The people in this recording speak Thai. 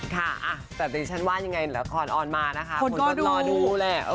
ค่ะแบบนี้ฉันว่ายังไงละครออนมานะคะคนก็รอดูแหละ